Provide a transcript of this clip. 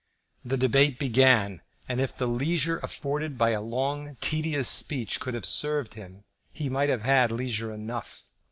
The debate began, and if the leisure afforded by a long and tedious speech could have served him, he might have had leisure enough.